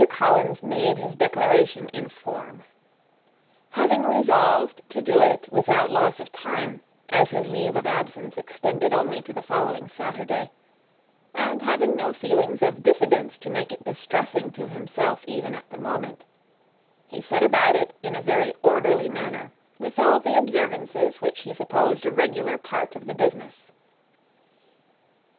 Collins made his declaration in form. Having resolved to do it without loss of time, as his leave of absence extended only to the following Saturday, and having no feelings of diffidence to make it distressing to himself even at the moment, he set about it in a very orderly manner, with all the observances which he supposed a regular part of the business.